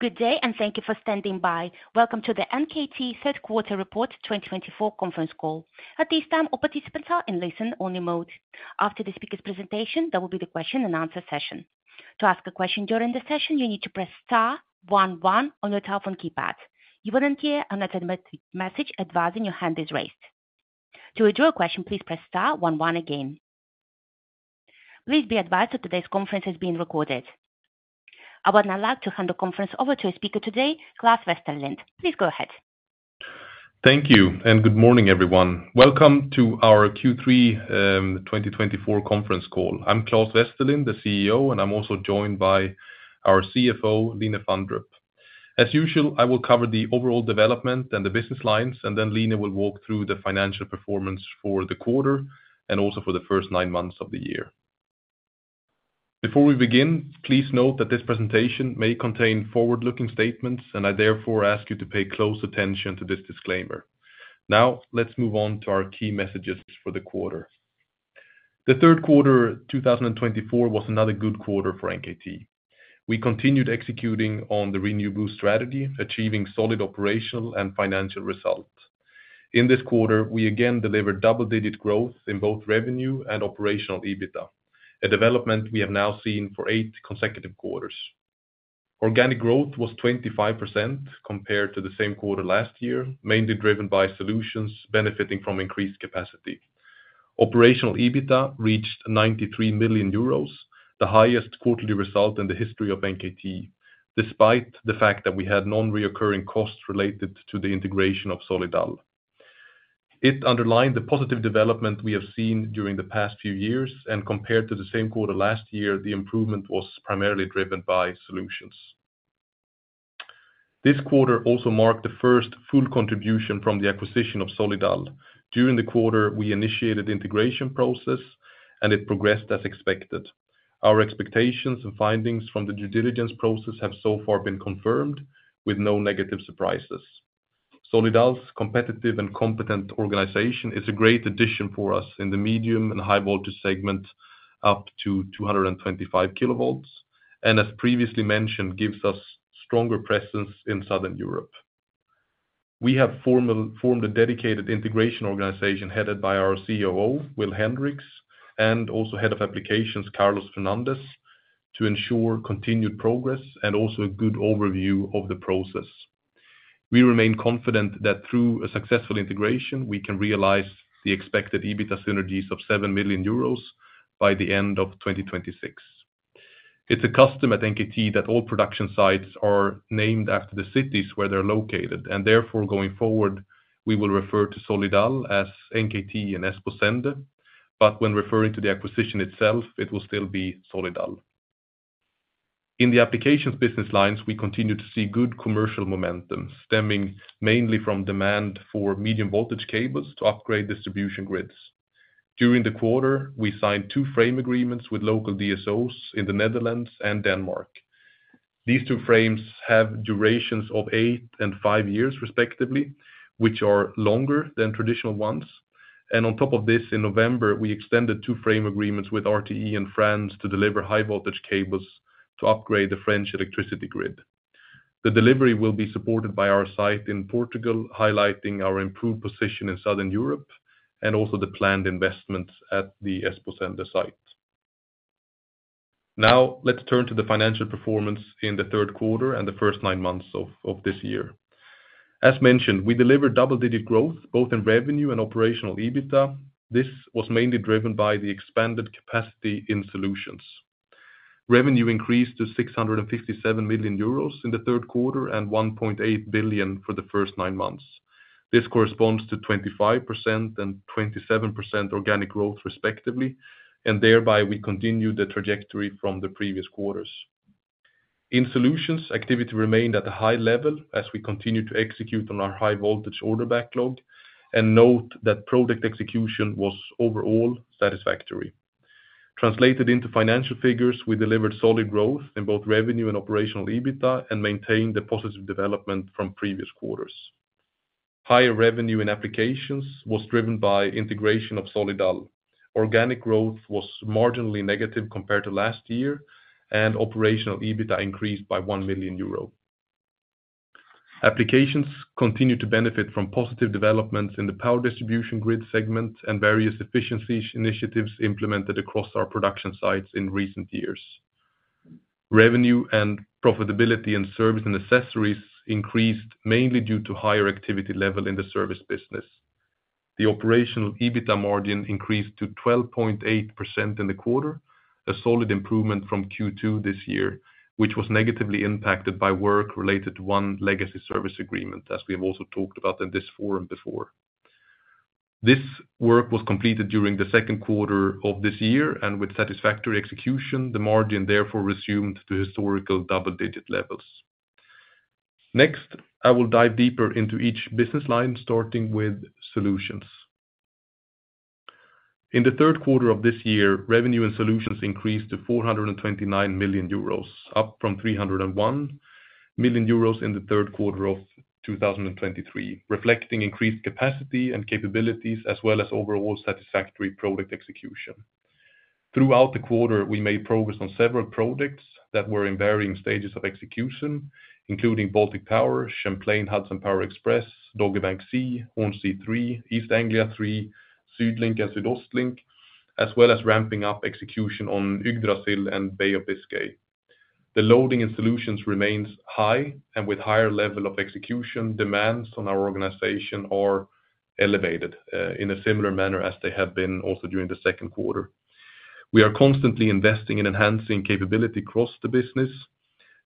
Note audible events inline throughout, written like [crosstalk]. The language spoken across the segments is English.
Good day, and thank you for standing by. Welcome to the NKT Third Quarter Report 2024 conference call. At this time, all participants are in listen-only mode. After the speaker's presentation, there will be the question-and-answer session. To ask a question during the session, you need to press *11* on your telephone keypad. You will then hear an alternate message advising your hand is raised. To withdraw a question, please press *11* again. Please be advised that today's conference is being recorded. I would now like to hand the conference over to our speaker today, Claes Westerlind. Please go ahead. Thank you, and good morning, everyone. Welcome to our Q3 2024 conference call. I'm Claes Westerlind, the CEO, and I'm also joined by our CFO, Line Fandrup. As usual, I will cover the overall development and the business lines, and then Line will walk through the financial performance for the quarter and also for the first nine months of the year. Before we begin, please note that this presentation may contain forward-looking statements, and I therefore ask you to pay close attention to this disclaimer. Now, let's move on to our key messages for the quarter. The third quarter 2024 was another good quarter for NKT. We continued executing on the ReNew BOOST strategy, achieving solid operational and financial results. In this quarter, we again delivered double-digit growth in both revenue and operational EBITDA, a development we have now seen for eight consecutive quarters. Organic growth was 25% compared to the same quarter last year, mainly driven by solutions benefiting from increased capacity. Operational EBITDA reached 93 million euros, the highest quarterly result in the history of NKT, despite the fact that we had non-recurring costs related to the integration of SolidAl. It underlined the positive development we have seen during the past few years, and compared to the same quarter last year, the improvement was primarily driven by solutions. This quarter also marked the first full contribution from the acquisition of SolidAl. During the quarter, we initiated the integration process, and it progressed as expected. Our expectations and findings from the due diligence process have so far been confirmed, with no negative surprises. SolidAl's competitive and competent organization is a great addition for us in the medium- and high-voltage segment up to 225 kV, and as previously mentioned, gives us stronger presence in Southern Europe. We have formed a dedicated integration organization headed by our COO, Will Hendrikx, and also Head of Applications, Carlos Fernandez, to ensure continued progress and also a good overview of the process. We remain confident that through a successful integration, we can realize the expected EBITDA synergies of 7 million euros by the end of 2026. It's a custom at NKT that all production sites are named after the cities where they're located, and therefore, going forward, we will refer to SolidAl as NKT in Esposende, but when referring to the acquisition itself, it will still be SolidAl. In the applications business lines, we continue to see good commercial momentum stemming mainly from demand for medium-voltage cables to upgrade distribution grids. During the quarter, we signed two frame agreements with local DSOs in the Netherlands and Denmark. These two frames have durations of eight and five years, respectively, which are longer than traditional ones, and on top of this, in November, we extended two frame agreements with RTE in France to deliver high-voltage cables to upgrade the French electricity grid. The delivery will be supported by our site in Portugal, highlighting our improved position in Southern Europe and also the planned investments at the Esposende site. Now, let's turn to the financial performance in the third quarter and the first nine months of this year. As mentioned, we delivered double-digit growth both in revenue and operational EBITDA. This was mainly driven by the expanded capacity in solutions. Revenue increased to 657 million euros in the third quarter and 1.8 billion for the first nine months. This corresponds to 25% and 27% organic growth, respectively, and thereby we continued the trajectory from the previous quarters. In Solutions, activity remained at a high level as we continued to execute on our high-voltage order backlog, and note that project execution was overall satisfactory. Translated into financial figures, we delivered solid growth in both revenue and operational EBITDA and maintained the positive development from previous quarters. Higher revenue in Applications was driven by integration of SolidAl. Organic growth was marginally negative compared to last year, and operational EBITDA increased by 1 million euro. Applications continued to benefit from positive developments in the power distribution grid segment and various efficiency initiatives implemented across our production sites in recent years. Revenue and profitability in service and accessories increased mainly due to higher activity level in the service business. The operational EBITDA margin increased to 12.8% in the quarter, a solid improvement from Q2 this year, which was negatively impacted by work related to one legacy service agreement, as we have also talked about in this forum before. This work was completed during the second quarter of this year, and with satisfactory execution, the margin therefore resumed to historical double-digit levels. Next, I will dive deeper into each business line, starting with solutions. In the third quarter of this year, revenue in solutions increased to 429 million euros, up from 301 million euros in the third quarter of 2023, reflecting increased capacity and capabilities as well as overall satisfactory project execution. Throughout the quarter, we made progress on several projects that were in varying stages of execution, including Baltic Power, Champlain Hudson Power Express, Dogger Bank C, Hornsea 3, East Anglia THREE, SuedLink and SuedOstLink, as well as ramping up execution on Yggdrasil and Bay of Biscay. The loading in solutions remains high, and with higher level of execution, demands on our organization are elevated in a similar manner as they have been also during the second quarter. We are constantly investing in enhancing capability across the business,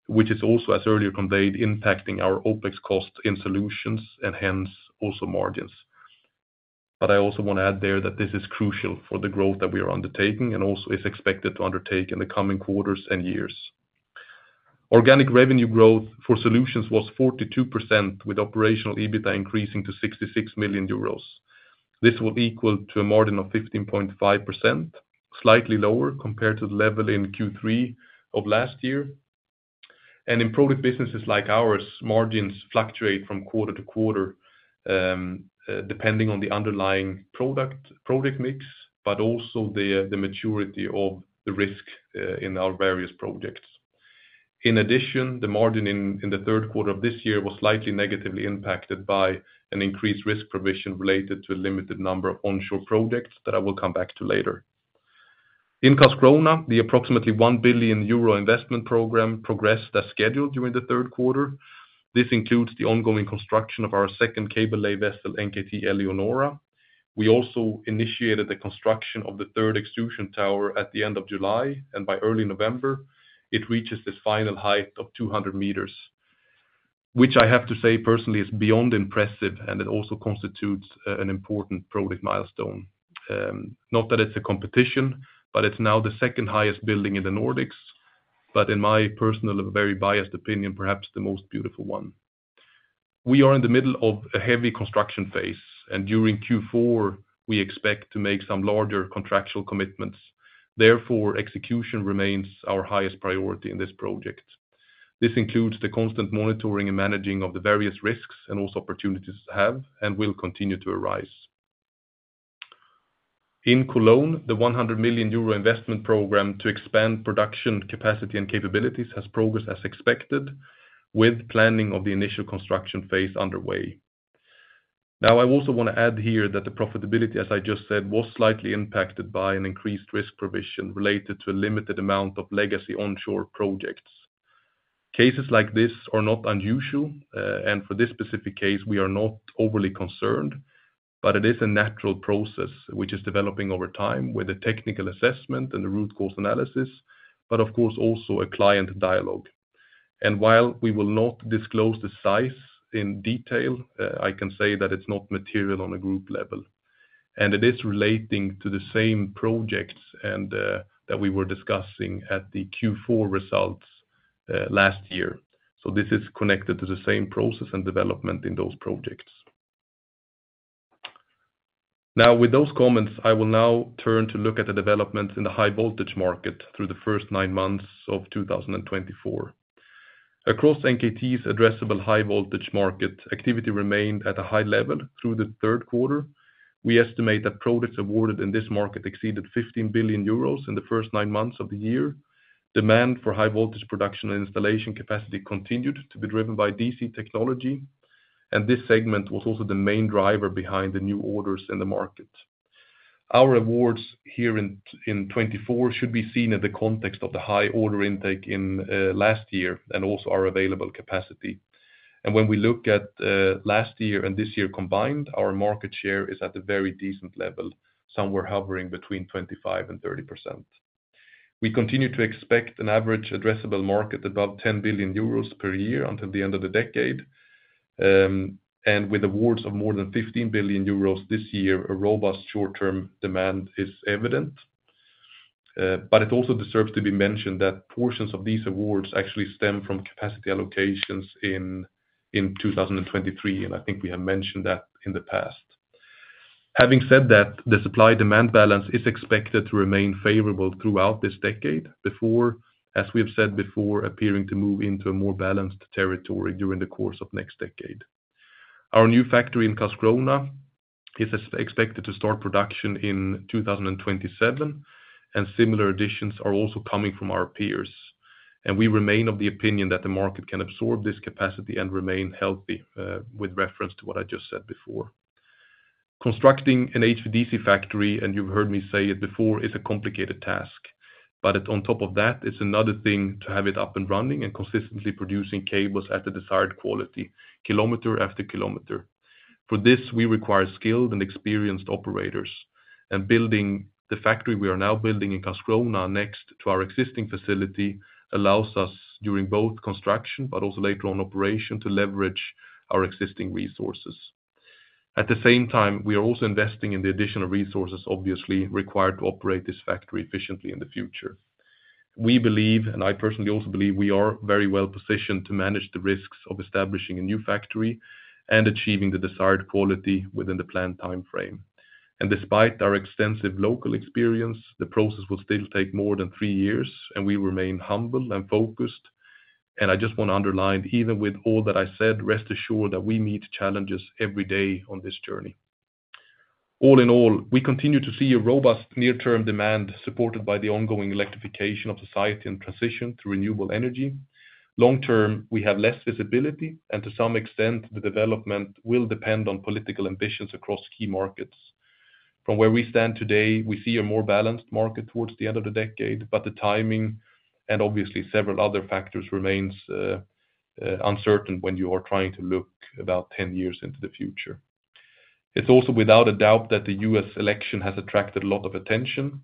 which is also, as earlier conveyed, impacting our OpEx cost in solutions and hence also margins. But I also want to add there that this is crucial for the growth that we are undertaking and also is expected to undertake in the coming quarters and years. Organic revenue growth for solutions was 42%, with operational EBITDA increasing to 66 million euros. This will equal a margin of 15.5%, slightly lower compared to the level in Q3 of last year, and in project businesses like ours, margins fluctuate from quarter to quarter depending on the underlying product mix but also the maturity of the risk in our various projects. In addition, the margin in the third quarter of this year was slightly negatively impacted by an increased risk provision related to a limited number of onshore projects that I will come back to later. In Karlskrona, the approximately 1 billion euro investment program progressed as scheduled during the third quarter. This includes the ongoing construction of our second cable-lay vessel, NKT Eleonora. We also initiated the construction of the third extrusion tower at the end of July, and by early November, it reaches its final height of 200 m, which I have to say personally is beyond impressive, and it also constitutes an important project milestone. Not that it's a competition, but it's now the second highest building in the Nordics, but in my personal very biased opinion, perhaps the most beautiful one. We are in the middle of a heavy construction phase, and during Q4, we expect to make some larger contractual commitments. Therefore, execution remains our highest priority in this project. This includes the constant monitoring and managing of the various risks and also opportunities to have and will continue to arise. In Cologne, the 100 million euro investment program to expand production capacity and capabilities has progressed as expected, with planning of the initial construction phase underway. Now, I also want to add here that the profitability, as I just said, was slightly impacted by an increased risk provision related to a limited amount of legacy onshore projects. Cases like this are not unusual, and for this specific case, we are not overly concerned, but it is a natural process which is developing over time with the technical assessment and the root cause analysis, but of course also a client dialogue, and while we will not disclose the size in detail, I can say that it's not material on a group level, and it is relating to the same projects that we were discussing at the Q4 results last year, so this is connected to the same process and development in those projects. Now, with those comments, I will now turn to look at the developments in the high-voltage market through the first nine months of 2024. Across NKT's addressable high-voltage market, activity remained at a high level through the third quarter. We estimate that projects awarded in this market exceeded 15 billion euros in the first nine months of the year. Demand for high-voltage production and installation capacity continued to be driven by DC technology, and this segment was also the main driver behind the new orders in the market. Our awards here in 2024 should be seen in the context of the high order intake in last year and also our available capacity. And when we look at last year and this year combined, our market share is at a very decent level, somewhere hovering between 25% and 30%. We continue to expect an average addressable market above 10 billion euros per year until the end of the decade, and with awards of more than 15 billion euros this year, a robust short-term demand is evident. But it also deserves to be mentioned that portions of these awards actually stem from capacity allocations in 2023, and I think we have mentioned that in the past. Having said that, the supply-demand balance is expected to remain favorable throughout this decade before, as we have said before, appearing to move into a more balanced territory during the course of next decade. Our new factory in Karlskrona is expected to start production in 2027, and similar additions are also coming from our peers. And we remain of the opinion that the market can absorb this capacity and remain healthy with reference to what I just said before. Constructing an HVDC factory, and you've heard me say it before, is a complicated task, but on top of that, it's another thing to have it up and running and consistently producing cables at the desired quality, kilometer after kilometer. For this, we require skilled and experienced operators, and building the factory we are now building in Karlskrona next to our existing facility allows us, during both construction but also later on operation, to leverage our existing resources. At the same time, we are also investing in the additional resources obviously required to operate this factory efficiently in the future. We believe, and I personally also believe, we are very well positioned to manage the risks of establishing a new factory and achieving the desired quality within the planned timeframe. Despite our extensive local experience, the process will still take more than three years, and we remain humble and focused. I just want to underline, even with all that I said, rest assured that we meet challenges every day on this journey. All in all, we continue to see a robust near-term demand supported by the ongoing electrification of society and transition to renewable energy. Long term, we have less visibility, and to some extent, the development will depend on political ambitions across key markets. From where we stand today, we see a more balanced market towards the end of the decade, but the timing and obviously several other factors remain uncertain when you are trying to look about 10 years into the future. It's also without a doubt that the U.S. election has attracted a lot of attention.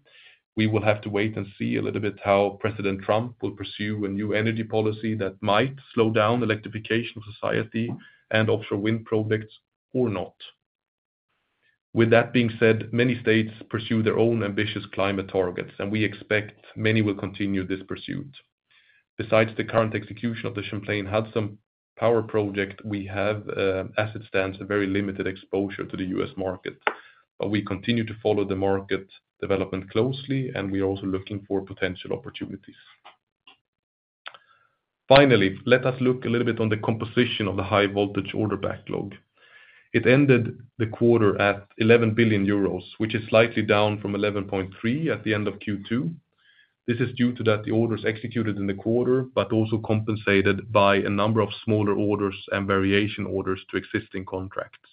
We will have to wait and see a little bit how President Trump will pursue a new energy policy that might slow down electrification of society and offshore wind projects or not. With that being said, many states pursue their own ambitious climate targets, and we expect many will continue this pursuit. Besides the current execution of the Champlain Hudson Power Express project, we have, as it stands, a very limited exposure to the U.S. market, but we continue to follow the market development closely, and we are also looking for potential opportunities. Finally, let us look a little bit on the composition of the high-voltage order backlog. It ended the quarter at 11 billion euros, which is slightly down from 11.3 billion at the end of Q2. This is due to the orders executed in the quarter but also compensated by a number of smaller orders and variation orders to existing contracts.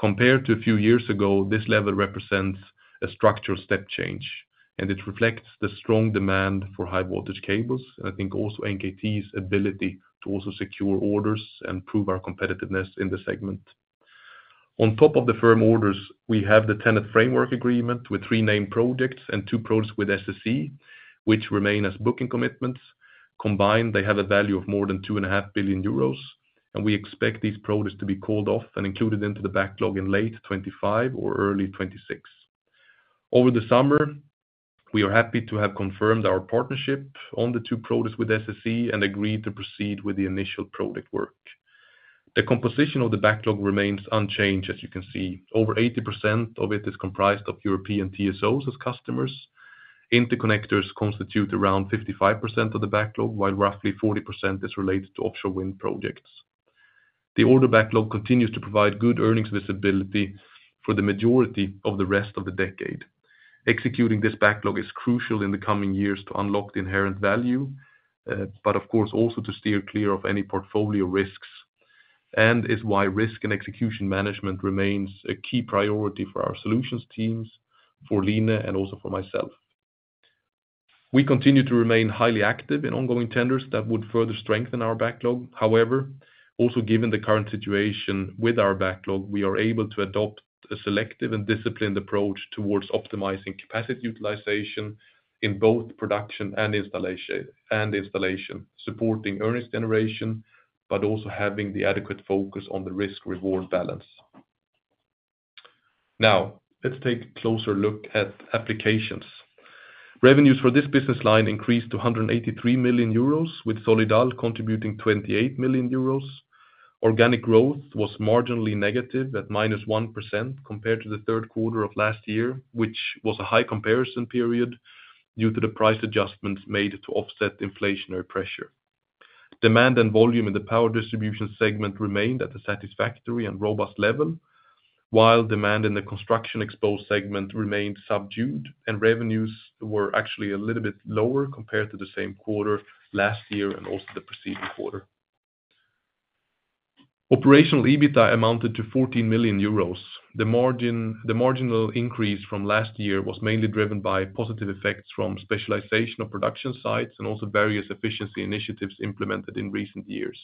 Compared to a few years ago, this level represents a structural step change, and it reflects the strong demand for high-voltage cables and, I think, also NKT's ability to also secure orders and prove our competitiveness in the segment. On top of the firm orders, we have the frame agreement with three named projects and two projects with SSE, which remain as booking commitments. Combined, they have a value of more than 2.5 billion euros, and we expect these projects to be called off and included into the backlog in late 2025 or early 2026. Over the summer, we are happy to have confirmed our partnership on the two projects with SSE and agreed to proceed with the initial project work. The composition of the backlog remains unchanged, as you can see. Over 80% of it is comprised of European TSOs as customers. Interconnectors constitute around 55% of the backlog, while roughly 40% is related to offshore wind projects. The order backlog continues to provide good earnings visibility for the majority of the rest of the decade. Executing this backlog is crucial in the coming years to unlock the inherent value, but of course also to steer clear of any portfolio risks, and is why risk and execution management remains a key priority for our solutions teams, for Line, and also for myself. We continue to remain highly active in ongoing tenders that would further strengthen our backlog. However, also given the current situation with our backlog, we are able to adopt a selective and disciplined approach towards optimizing capacity utilization in both production and installation, supporting earnings generation but also having the adequate focus on the risk-reward balance. Now, let's take a closer look at applications. Revenues for this business line increased to 183 million euros, with SolidAl contributing 28 million euros. Organic growth was marginally negative at -1% compared to the third quarter of last year, which was a high comparison period due to the price adjustments made to offset inflationary pressure. Demand and volume in the power distribution segment remained at a satisfactory and robust level, while demand in the construction exposed segment remained subdued, and revenues were actually a little bit lower compared to the same quarter last year and also the preceding quarter. Operational EBITDA amounted to 14 million euros. The marginal increase from last year was mainly driven by positive effects from specialization of production sites and also various efficiency initiatives implemented in recent years.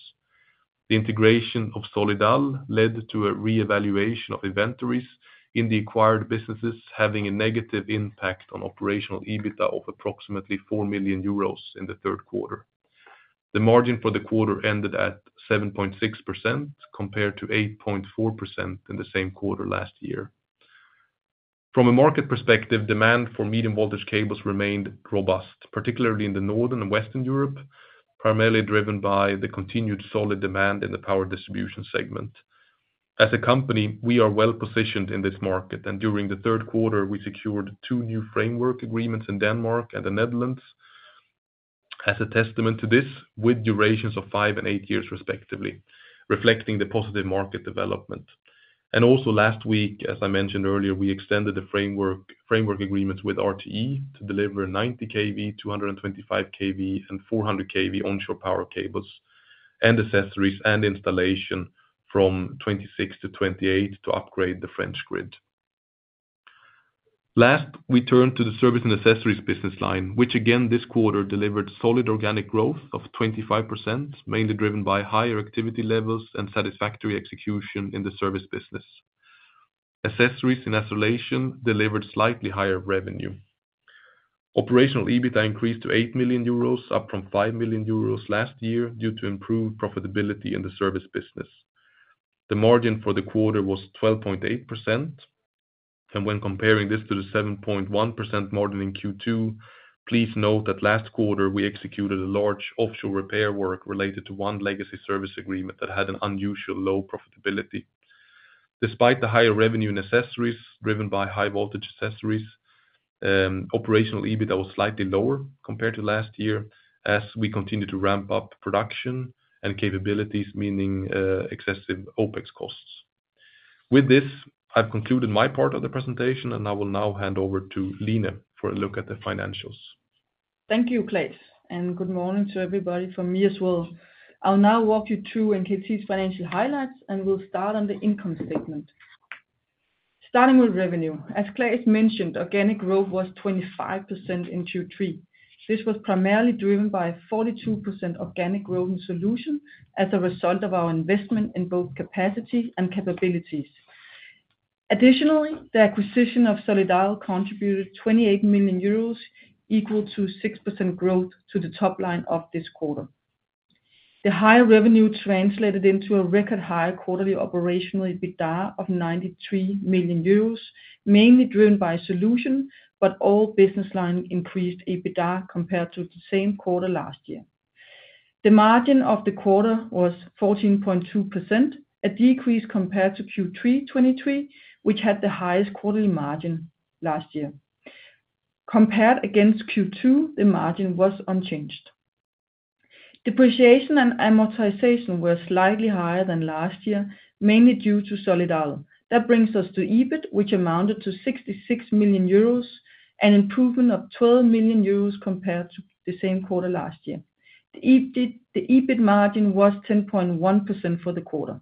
The integration of SolidAl led to a reevaluation of inventories in the acquired businesses, having a negative impact on operational EBITDA of approximately 4 million euros in the third quarter. The margin for the quarter ended at 7.6% compared to 8.4% in the same quarter last year. From a market perspective, demand for medium voltage cables remained robust, particularly in the Northern and Western Europe, primarily driven by the continued solid demand in the power distribution segment. As a company, we are well positioned in this market, and during the third quarter, we secured two new framework agreements in Denmark and the Netherlands as a testament to this with durations of five and eight years, respectively, reflecting the positive market development, and also last week, as I mentioned earlier, we extended the framework agreements with RTE to deliver 90 kV, 225 kV, and 400 kV onshore power cables and accessories and installation from 2026 to 2028 to upgrade the French grid. Last, we turned to the service and accessories business line, which again this quarter delivered solid organic growth of 25%, mainly driven by higher activity levels and satisfactory execution in the service business. Accessories and installation delivered slightly higher revenue. Operational EBITDA increased to 8 million euros, up from 5 million euros last year due to improved profitability in the service business. The margin for the quarter was 12.8%, and when comparing this to the 7.1% margin in Q2, please note that last quarter we executed a large offshore repair work related to one legacy service agreement that had an unusual low profitability. Despite the higher revenue in accessories driven by high-voltage accessories, operational EBITDA was slightly lower compared to last year as we continued to ramp up production and capabilities, meaning excessive OpEx costs. With this, I've concluded my part of the presentation, and I will now hand over to Line for a look at the financials. Thank you, Claes, and good morning to everybody from me as well. I'll now walk you through NKT's financial highlights, and we'll start on the income statement. Starting with revenue, as Claes mentioned, organic growth was 25% in Q3. This was primarily driven by 42% organic growth in Solutions as a result of our investment in both capacity and capabilities. Additionally, the acquisition of SolidAl contributed 28 million euros, equal to 6% growth to the top line of this quarter. The higher revenue translated into a record high quarterly operational EBITDA of 93 million euros, mainly driven by Solutions, but all business lines increased EBITDA compared to the same quarter last year. The margin of the quarter was 14.2%, a decrease compared to Q3 2023, which had the highest quarterly margin last year. Compared against Q2, the margin was unchanged. Depreciation and amortization were slightly higher than last year, mainly due to SolidAl. That brings us to EBIT, which amounted to 66 million euros and an improvement of 12 million euros compared to the same quarter last year. The EBIT margin was 10.1% for the quarter.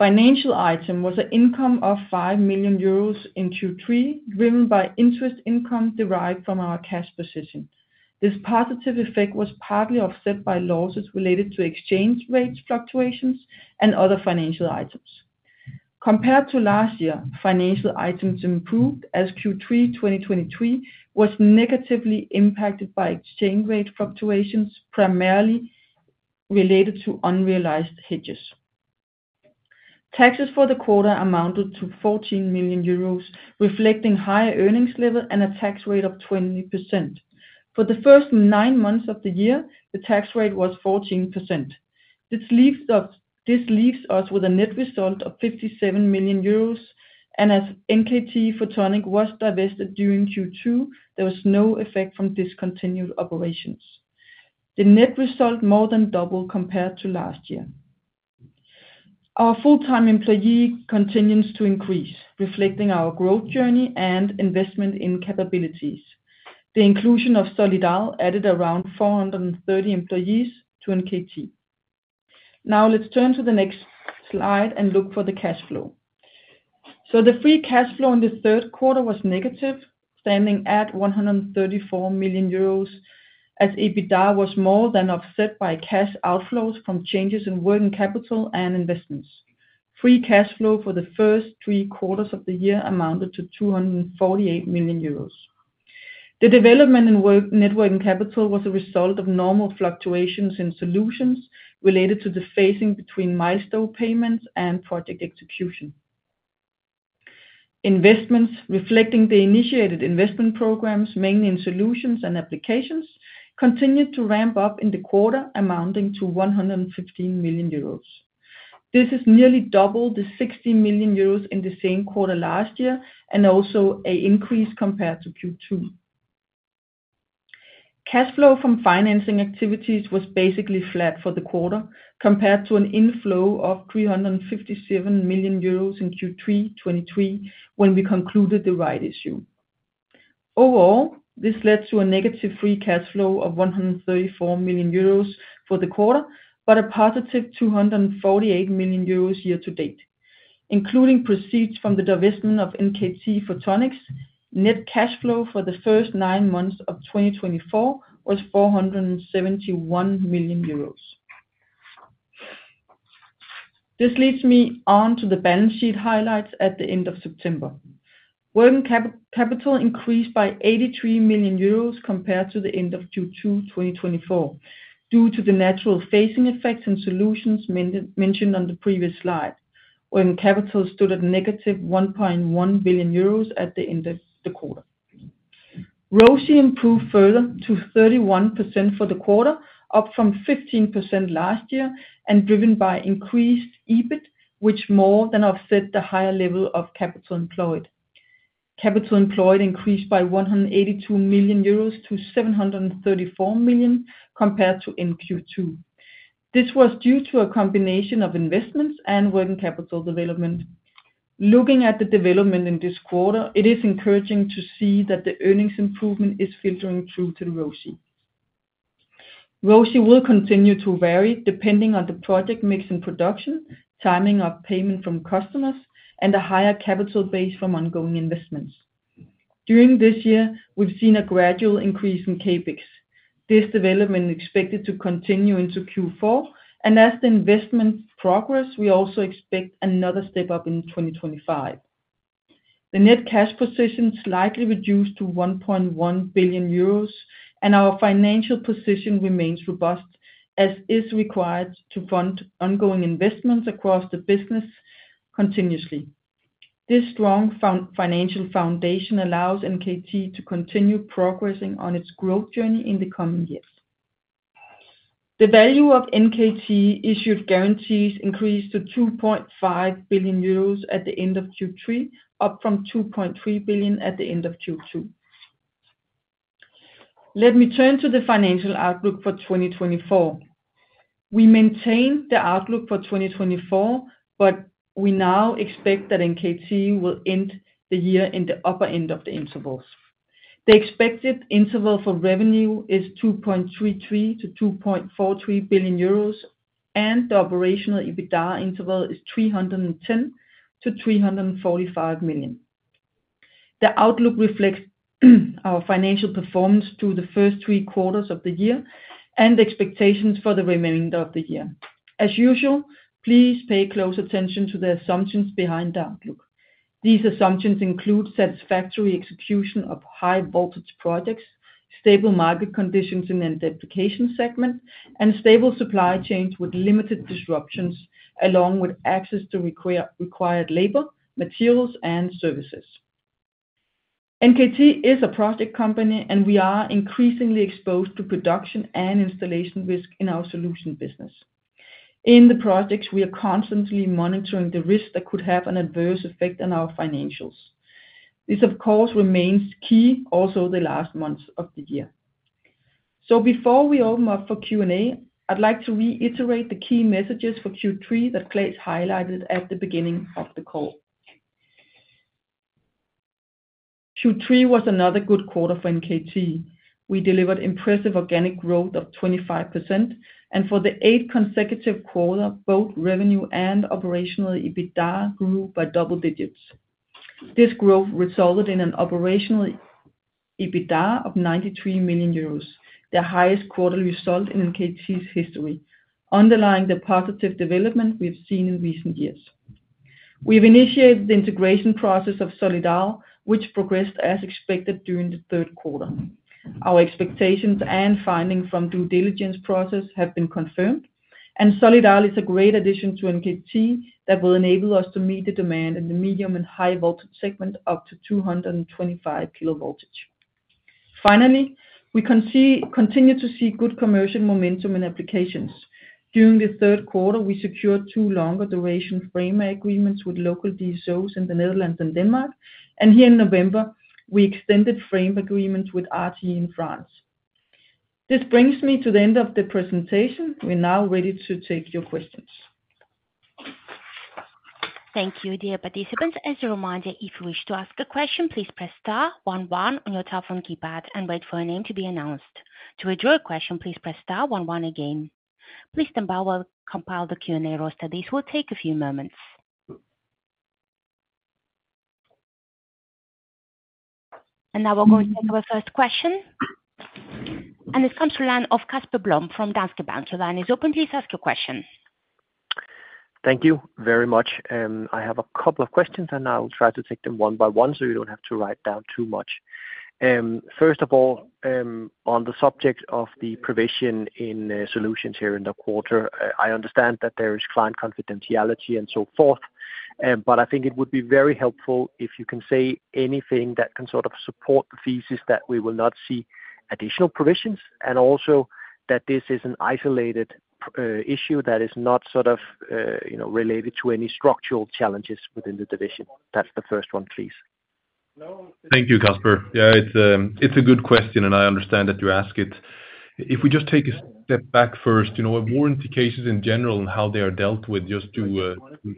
Financial item was an income of 5 million euros in Q3, driven by interest income derived from our cash position. This positive effect was partly offset by losses related to exchange rate fluctuations and other financial items. Compared to last year, financial items improved as Q3 2023 was negatively impacted by exchange rate fluctuations, primarily related to unrealized hedges. Taxes for the quarter amounted to 14 million euros, reflecting a higher earnings level and a tax rate of 20%. For the first nine months of the year, the tax rate was 14%. This leaves us with a net result of 57 million euros, and as NKT Photonics was divested during Q2, there was no effect from discontinued operations. The net result more than doubled compared to last year. Our full-time employee contingent continues to increase, reflecting our growth journey and investment in capabilities. The inclusion of SolidAl added around 430 employees to NKT. Now let's turn to the next slide and look for the cash flow. So the free cash flow in the third quarter was negative, standing at 134 million euros, as EBITDA was more than offset by cash outflows from changes in working capital and investments. Free cash flow for the first three quarters of the year amounted to 248 million euros. The development in net working capital was a result of normal fluctuations in solutions related to the phasing between milestone payments and project execution. Investments, reflecting the initiated investment programs, mainly in solutions and applications, continued to ramp up in the quarter, amounting to 115 million euros. This is nearly double the 60 million euros in the same quarter last year and also an increase compared to Q2. Cash flow from financing activities was basically flat for the quarter compared to an inflow of 357 million euros in Q3 2023 when we concluded the right issue. Overall, this led to a negative free cash flow of 134 million euros for the quarter but a positive 248 million euros year to date. Including proceeds from the divestment of NKT Photonics, net cash flow for the first nine months of 2024 was 471 million euros. This leads me on to the balance sheet highlights at the end of September. Working capital increased by 83 million euros compared to the end of Q2 2024 due to the natural phasing effects and solutions mentioned on the previous slide. Working capital stood at negative 1.1 billion euros at the end of the quarter. ROCE improved further to 31% for the quarter, up from 15% last year and driven by increased EBIT, which more than offset the higher level of capital employed. Capital employed increased by 182 million euros to 734 million compared to in Q2. This was due to a combination of investments and working capital development. Looking at the development in this quarter, it is encouraging to see that the earnings improvement is filtering through to the ROCE. ROCE will continue to vary depending on the project mix in production, timing of payment from customers, and a higher capital base from ongoing investments. During this year, we've seen a gradual increase in CapEx. This development is expected to continue into Q4, and as the investment progress, we also expect another step up in 2025. The net cash position slightly reduced to 1.1 billion euros, and our financial position remains robust, as is required to fund ongoing investments across the business continuously. This strong financial foundation allows NKT to continue progressing on its growth journey in the coming years. The value of NKT issued guarantees increased to 2.5 billion euros at the end of Q3, up from 2.3 billion at the end of Q2. Let me turn to the financial outlook for 2024. We maintain the outlook for 2024, but we now expect that NKT will end the year in the upper end of the intervals. The expected interval for revenue is 2.33 to 2.43 billion euros, and the operational EBITDA interval is 310 to 345 million. The outlook reflects our financial performance through the first three quarters of the year and expectations for the remainder of the year. As usual, please pay close attention to the assumptions behind the outlook. These assumptions include satisfactory execution of high-voltage projects, stable market conditions in the application segment, and stable supply chains with limited disruptions, along with access to required labor, materials, and services. NKT is a project company, and we are increasingly exposed to production and installation risk in our solution business. In the projects, we are constantly monitoring the risks that could have an adverse effect on our financials. This, of course, remains key also the last months of the year. So before we open up for Q&A, I'd like to reiterate the key messages for Q3 that Claes highlighted at the beginning of the call. Q3 was another good quarter for NKT. We delivered impressive organic growth of 25%, and for the eighth consecutive quarter, both revenue and operational EBITDA grew by double digits. This growth resulted in an operational EBITDA of 93 million euros, the highest quarterly result in NKT's history, underlying the positive development we've seen in recent years. We've initiated the integration process of SolidAl, which progressed as expected during the third quarter. Our expectations and findings from the due diligence process have been confirmed, and SolidAl is a great addition to NKT that will enable us to meet the demand in the medium and high-voltage segment up to 225 kV. Finally, we continue to see good commercial momentum in applications. During the third quarter, we secured two longer duration frame agreements with local DSOs in the Netherlands and Denmark, and here in November, we extended frame agreements with RTE in France. This brings me to the end of the presentation. We're now ready to take your questions. Thank you, dear participants. As a reminder, if you wish to ask a question, please press *11 on your telephone keypad and wait for your name to be announced. To withdraw a question, please press *11 again. Please then hold while we compile the Q&A roster. This will take a few moments, and now we're going to take our first question, and it comes from the line of Casper Blom from Danske Bank. The line is open. Please ask your question. Thank you very much. I have a couple of questions, and I'll try to take them one by one so you don't have to write down too much. First of all, on the subject of the provision in solutions here in the quarter, I understand that there is client confidentiality and so forth, but I think it would be very helpful if you can say anything that can sort of support the thesis that we will not see additional provisions and also that this is an isolated issue that is not sort of related to any structural challenges within the division. That's the first one, please. Thank you, Casper. Yeah, it's a good question, and I understand that you ask it. If we just take a step back first, you know, warranty cases in general and how they are dealt with, just to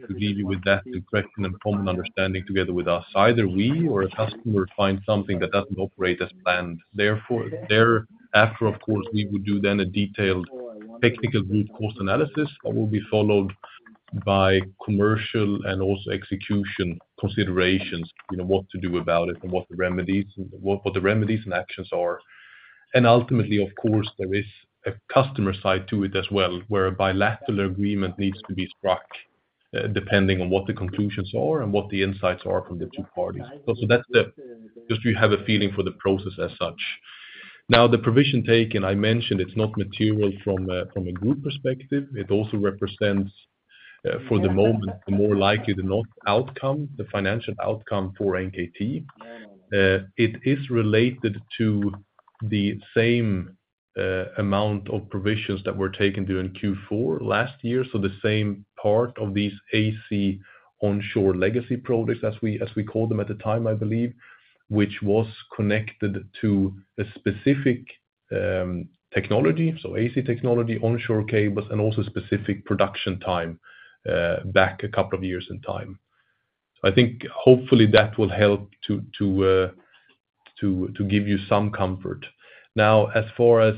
leave you with that question and formal understanding together with us. Either we or a customer finds something that doesn't operate as planned. Therefore, thereafter, of course, we would do then a detailed technical root cause analysis that will be followed by commercial and also execution considerations, you know, what to do about it and what the remedies and actions are, and ultimately, of course, there is a customer side to it as well, where a bilateral agreement needs to be struck depending on what the conclusions are and what the insights are from the two parties, so that's just you have a feeling for the process as such. Now, the provision taken, I mentioned, it's not material from a group perspective. It also represents, for the moment, the more likely than not outcome, the financial outcome for NKT. It is related to the same amount of provisions that were taken during Q4 last year, so the same part of these AC onshore legacy products, as we called them at the time, I believe, which was connected to a specific technology, so AC technology, onshore cables, and also specific production time back a couple of years in time. I think hopefully that will help to give you some comfort. Now, as far as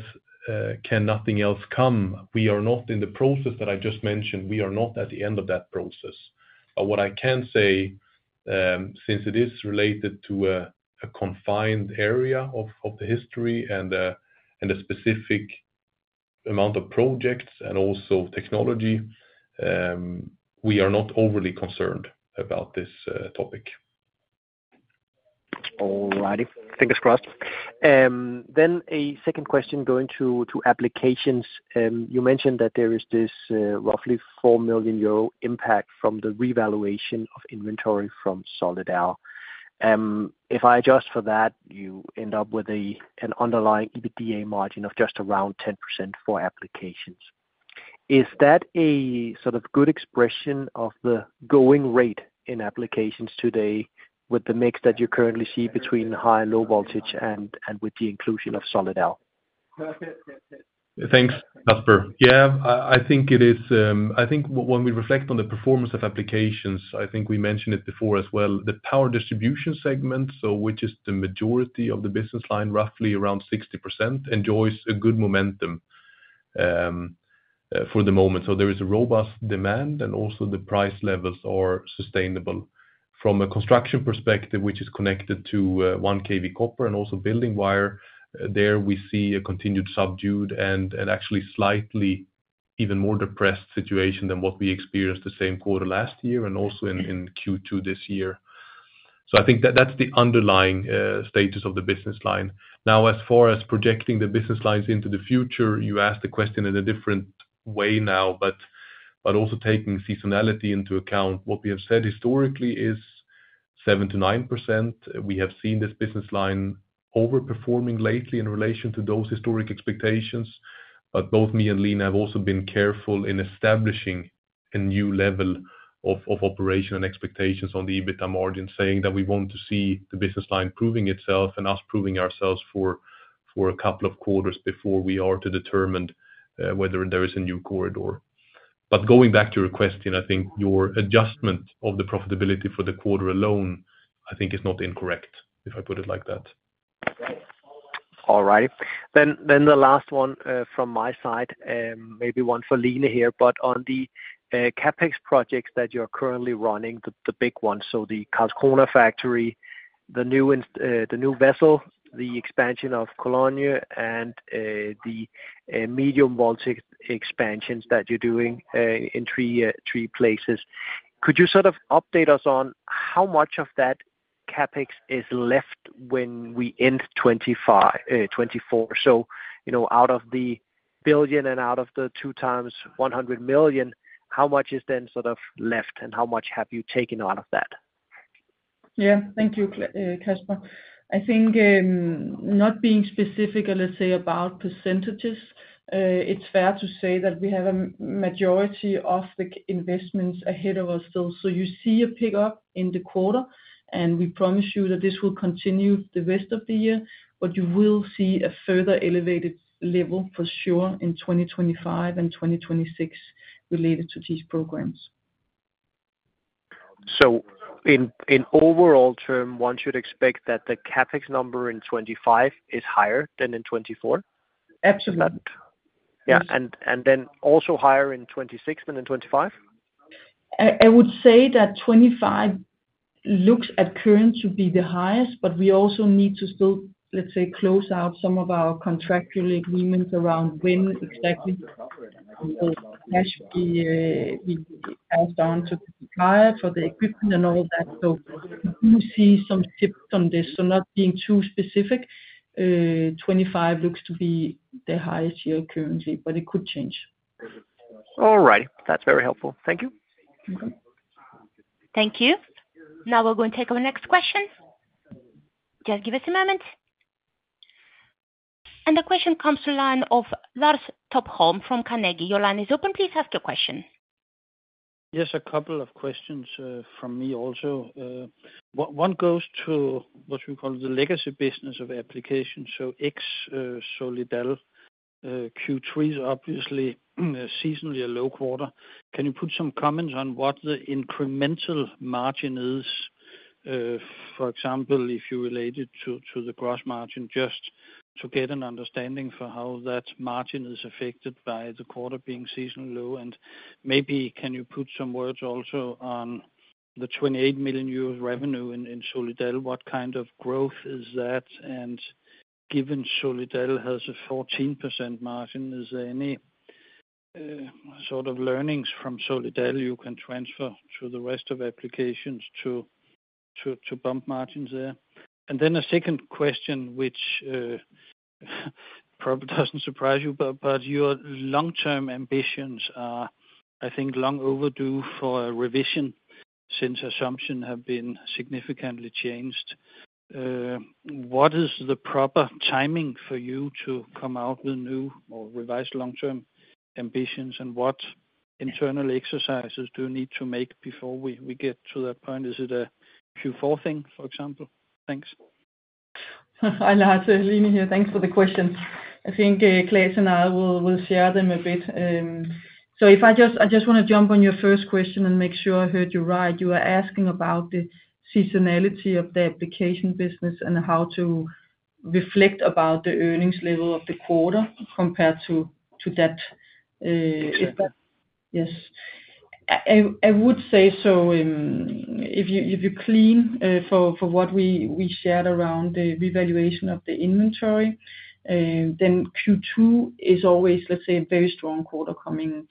can nothing else come, we are not in the process that I just mentioned. We are not at the end of that process. But what I can say, since it is related to a confined area of the history and a specific amount of projects and also technology, we are not overly concerned about this topic. All righty. Fingers crossed. Then a second question going to applications. You mentioned that there is this roughly 4 million euro impact from the revaluation of inventory from SolidAl. If I adjust for that, you end up with an underlying EBITDA margin of just around 10% for Applications. Is that a sort of good expression of the going rate in Applications today with the mix that you currently see between high and low voltage and with the inclusion of SolidAl? Thanks, Casper. Yeah, I think it is. I think when we reflect on the performance of Applications, I think we mentioned it before as well, the power distribution segment, so which is the majority of the business line, roughly around 60%, enjoys a good momentum for the moment. So there is a robust demand, and also the price levels are sustainable. From a construction perspective, which is connected to 1 kV copper and also building wire, there we see a continued subdued and actually slightly even more depressed situation than what we experienced the same quarter last year and also in Q2 this year. So I think that's the underlying status of the business line. Now, as far as projecting the business lines into the future, you asked the question in a different way now, but also taking seasonality into account, what we have said historically is 7%-9%. We have seen this business line overperforming lately in relation to those historic expectations, but both me and Line have also been careful in establishing a new level of operation and expectations on the EBITDA margin, saying that we want to see the business line proving itself and us proving ourselves for a couple of quarters before we are to determine whether there is a new corridor. But going back to your question, I think your adjustment of the profitability for the quarter alone, I think, is not incorrect, if I put it like that. All righty. Then the last one from my side, maybe one for Line here, but on the CapEx projects that you're currently running, the big ones, so the Karlskrona factory, the new vessel, the expansion of Cologne, and the medium voltage expansions that you're doing in three places. Could you sort of update us on how much of that CapEx is left when we end 2024? So out of the 1 billion and out of the two times 100 million, how much is then sort of left, and how much have you taken out of that? Yeah, thank you, Casper. I think not being specific, let's say, about percentages, it's fair to say that we have a majority of the investments ahead of us still. So you see a pickup in the quarter, and we promise you that this will continue the rest of the year, but you will see a further elevated level for sure in 2025 and 2026 related to these programs. So in overall term, one should expect that the CapEx number in 2025 is higher than in 2024? Absolutely. Yeah. And then also higher in 2026 than in 2025? I would say that 2025 looks currently to be the highest, but we also need to still, let's say, close out some of our contractual agreements around when exactly the cash will be passed on to the buyer for the equipment and all that. So we see some tips on this. So not being too specific, 2025 looks to be the highest year currently, but it could change. All righty. That's very helpful. Thank you. Thank you. Now we're going to take our next question. Just give us a moment, and the question comes to the line of Lars Topholm from Carnegie. Your line is open. Please ask your question. Yes, a couple of questions from me also. One goes to what we call the legacy business of applications. So ex-SolidAl Q3 is obviously seasonally a low quarter. Can you put some comments on what the incremental margin is? For example, if you relate it to the gross margin, just to get an understanding for how that margin is affected by the quarter being seasonally low. And maybe can you put some words also on the 28 million euros revenue in SolidAl? What kind of growth is that? And given SolidAl has a 14% margin, is there any sort of learnings from SolidAl you can transfer to the rest of applications to bump margins there? And then a second question, which probably doesn't surprise you, but your long-term ambitions are, I think, long overdue for a revision since assumptions have been significantly changed. What is the proper timing for you to come out with new or revise long-term ambitions, and what internal exercises do you need to make before we get to that point? Is it a Q4 thing, for example? Thanks. I'll answer Line here. Thanks for the question. I think Claes and I will share them a bit. So if I just want to jump on your first question and make sure I heard you right, you were asking about the seasonality of the application business and how to reflect about the earnings level of the quarter compared to that. Yes. I would say so. If you're clean for what we shared around the revaluation of the inventory, then Q2 is always, let's say, a very strong quarter coming.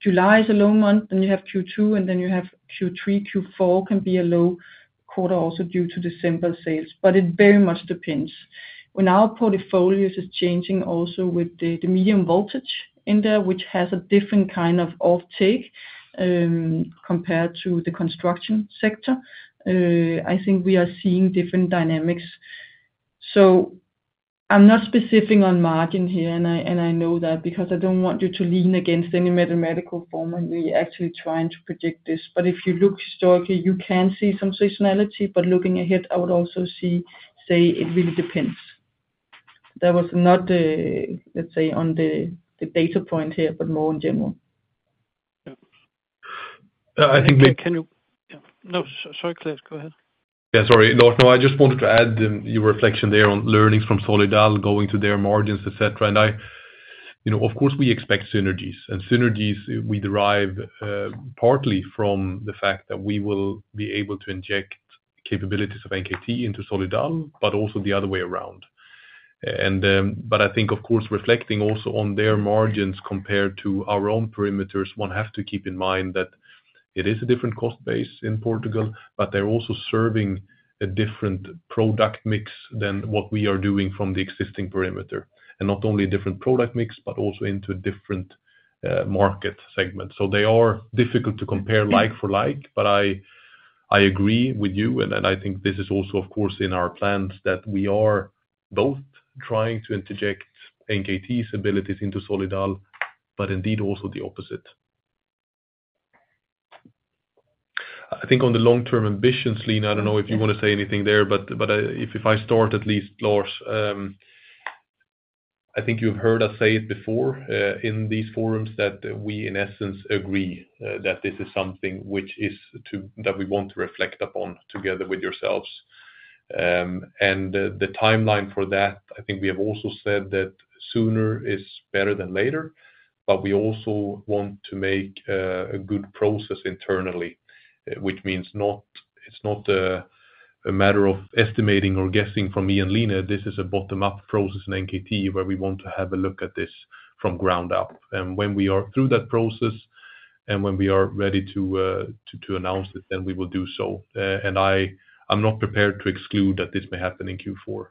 July is a low month, then you have Q2, and then you have Q3. Q4 can be a low quarter also due to December sales, but it very much depends. When our portfolio is changing also with the medium voltage in there, which has a different kind of offtake compared to the construction sector, I think we are seeing different dynamics. So I'm not specific on margin here, and I know that because I don't want you to lean against any mathematical form when we actually try to predict this. But if you look historically, you can see some seasonality, but looking ahead, I would also see, say, it really depends. That was not, let's say, on the data point here, but more in general. [crosstalk] Sorry, Claes, go ahead. Yeah, sorry. No, I just wanted to add your reflection there on learnings from SolidAl going to their margins, etc. And of course, we expect synergies, and synergies we derive partly from the fact that we will be able to inject capabilities of NKT into SolidAl, but also the other way around. But I think, of course, reflecting also on their margins compared to our own perimeters, one has to keep in mind that it is a different cost base in Portugal, but they're also serving a different product mix than what we are doing from the existing perimeter. And not only a different product mix, but also into a different market segment. So they are difficult to compare like for like, but I agree with you, and I think this is also, of course, in our plans that we are both trying to interject NKT's abilities into SolidAl, but indeed also the opposite. I think on the long-term ambitions, Line, I don't know if you want to say anything there, but if I start at least, Lars, I think you've heard us say it before in these forums that we, in essence, agree that this is something that we want to reflect upon together with yourselves. And the timeline for that, I think we have also said that sooner is better than later, but we also want to make a good process internally, which means it's not a matter of estimating or guessing from me and Line. This is a bottom-up process in NKT where we want to have a look at this from ground up. And when we are through that process and when we are ready to announce it, then we will do so. And I'm not prepared to exclude that this may happen in Q4.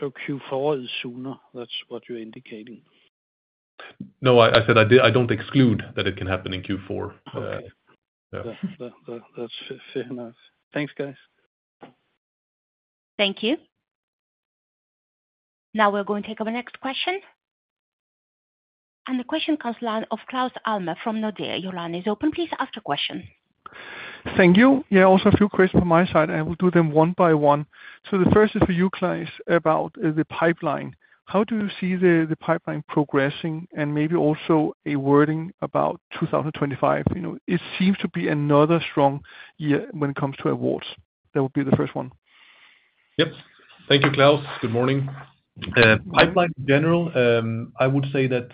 So Q4 is sooner, that's what you're indicating? No, I said I don't exclude that it can happen in Q4. Okay. That's fair enough. Thanks, guys. Thank you. Now we're going to take our next question. And the question comes to the line of Claus Almer from Nordea. Your line is open. Please ask your question. Thank you. Yeah, also a few questions from my side. I will do them one by one. So the first is for you, Claes, about the pipeline. How do you see the pipeline progressing and maybe also a wording about 2025? It seems to be another strong year when it comes to awards. That would be the first one. Yep. Thank you, Claus. Good morning. Pipeline in general, I would say that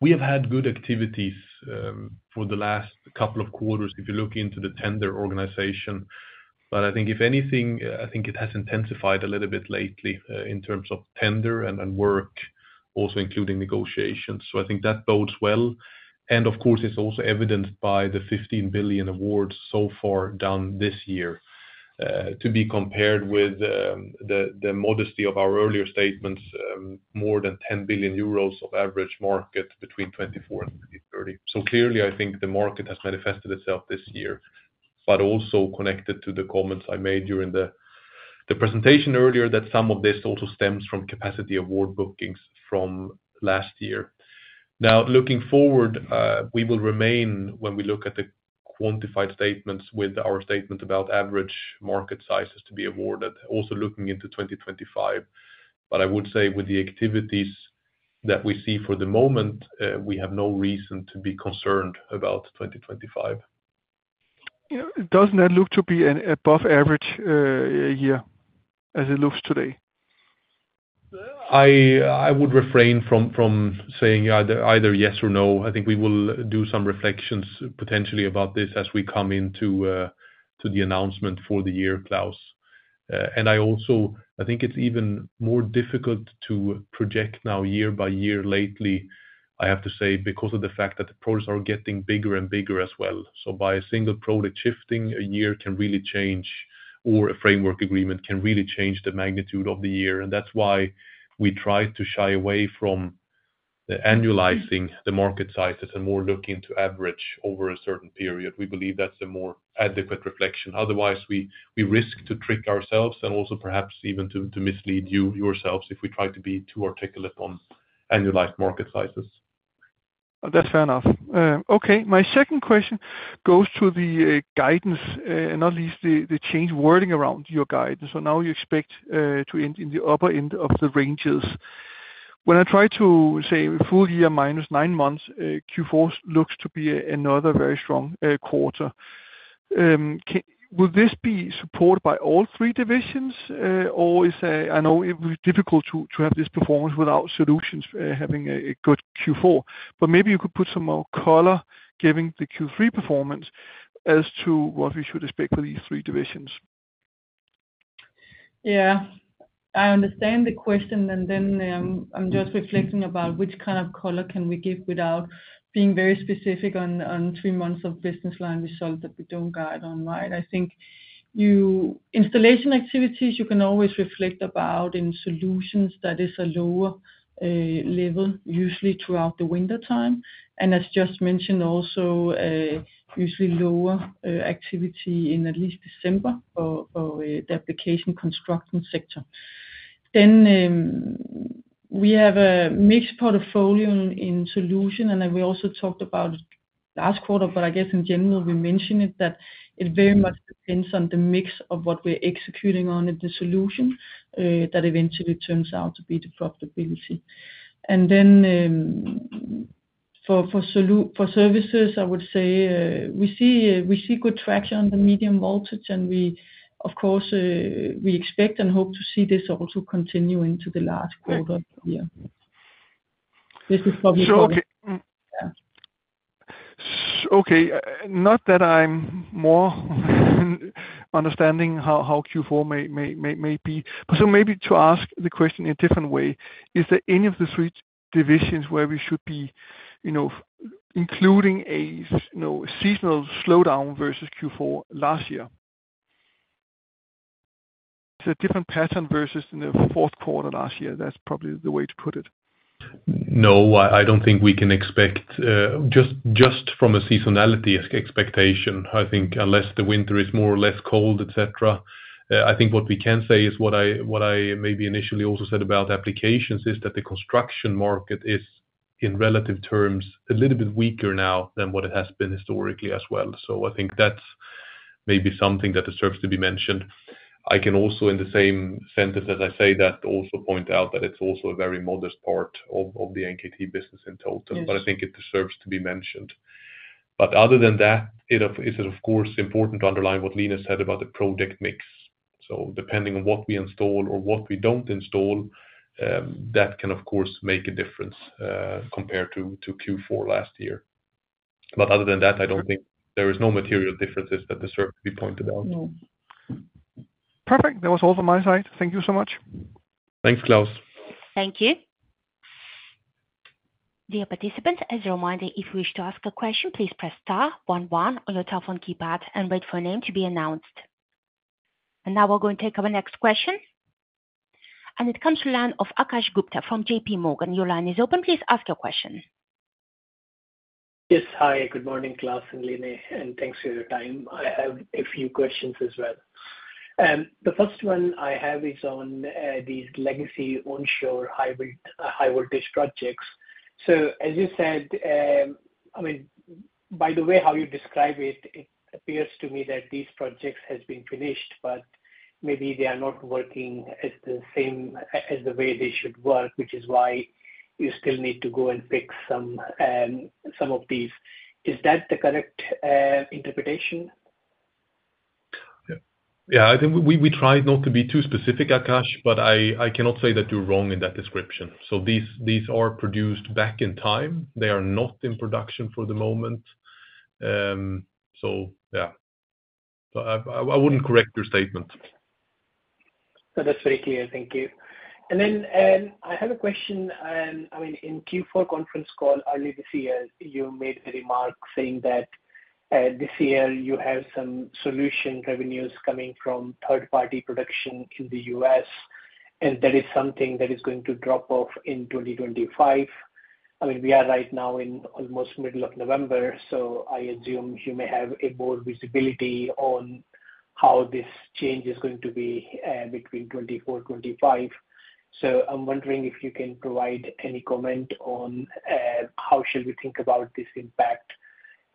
we have had good activities for the last couple of quarters if you look into the tender organization. But I think if anything, I think it has intensified a little bit lately in terms of tender and work, also including negotiations. So I think that bodes well. And of course, it's also evidenced by the 15 billion awards so far done this year to be compared with the modesty of our earlier statements, more than 10 billion euros of average market between 2024 and 2030. So clearly, I think the market has manifested itself this year, but also connected to the comments I made during the presentation earlier that some of this also stems from capacity award bookings from last year. Now, looking forward, we will remain, when we look at the quantified statements with our statement about average market sizes to be awarded, also looking into 2025. But I would say with the activities that we see for the moment, we have no reason to be concerned about 2025. Doesn't that look to be an above-average year as it looks today? I would refrain from saying either yes or no. I think we will do some reflections potentially about this as we come into the announcement for the year, Claus. And I also think it's even more difficult to project now year by year lately, I have to say, because of the fact that the products are getting bigger and bigger as well. So by a single project shifting, a year can really change, or a framework agreement can really change the magnitude of the year. And that's why we try to shy away from annualizing the market sizes and more look into average over a certain period. We believe that's a more adequate reflection. Otherwise, we risk to trick ourselves and also perhaps even to mislead yourselves if we try to be too articulate on annualized market sizes. That's fair enough. Okay. My second question goes to the guidance, not least the change wording around your guidance. So now you expect to end in the upper end of the ranges. When I try to say full year minus nine months, Q4 looks to be another very strong quarter. Will this be supported by all three divisions, or is it difficult to have this performance without solutions having a good Q4? But maybe you could put some more color giving the Q3 performance as to what we should expect for these three divisions. Yeah. I understand the question, and then I'm just reflecting about which kind of color can we give without being very specific on three months of business line result that we don't guide on, right? I think installation activities, you can always reflect about in Solutions that is a lower level, usually throughout the wintertime. As just mentioned, also usually lower activity in at least December for the Applications construction sector. We have a mixed portfolio in Solutions, and we also talked about last quarter, but I guess in general, we mentioned it that it very much depends on the mix of what we're executing on in Solutions that eventually turns out to be the profitability. And then for services, I would say we see good traction on the medium voltage, and of course, we expect and hope to see this also continue into the last quarter of the year. This is. [crosstalk] Okay. Not that I'm more understanding how Q4 may be. So maybe to ask the question in a different way, is there any of the three divisions where we should be including a seasonal slowdown versus Q4 last year? Is there a different pattern versus in the fourth quarter last year? That's probably the way to put it. No, I don't think we can expect just from a seasonality expectation, I think, unless the winter is more or less cold, etc. I think what we can say is what I maybe initially also said about applications is that the construction market is, in relative terms, a little bit weaker now than what it has been historically as well. So I think that's maybe something that deserves to be mentioned. I can also, in the same sentence as I say that, also point out that it's also a very modest part of the NKT business in total, but I think it deserves to be mentioned. But other than that, it is, of course, important to underline what Line said about the project mix. So depending on what we install or what we don't install, that can, of course, make a difference compared to Q4 last year. But other than that, I don't think there is no material differences that deserve to be pointed out. Perfect. That was all from my side. Thank you so much. Thanks, Claus. Thank you. Dear participants, as a reminder, if you wish to ask a question, please press star 11 on your telephone keypad and wait for your name to be announced. And now we're going to take our next question. And it comes to the line of Akash Gupta from JPMorgan. Your line is open. Please ask your question. Yes. Hi, good morning, Claes and Line. And thanks for your time. I have a few questions as well. The first one I have is on these legacy onshore high-voltage projects. So as you said, I mean, by the way, how you describe it, it appears to me that these projects have been finished, but maybe they are not working the same as the way they should work, which is why you still need to go and fix some of these. Is that the correct interpretation? Yeah. I think we tried not to be too specific, Akash, but I cannot say that you're wrong in that description, so these are produced back in time. They are not in production for the moment, so yeah. But I wouldn't correct your statement. That's very clear. Thank you, and then I have a question. I mean, in Q4 conference call earlier this year, you made the remark saying that this year you have some solution revenues coming from third-party production in the U.S., and that is something that is going to drop off in 2025. I mean, we are right now in almost middle of November, so I assume you may have a more visibility on how this change is going to be between 2024, 2025. So I'm wondering if you can provide any comment on how shall we think about this impact